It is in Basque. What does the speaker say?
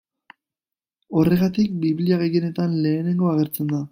Horregatik Biblia gehienetan lehenengo agertzen da.